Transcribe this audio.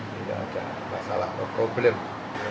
tidak ada masalah tidak ada masalah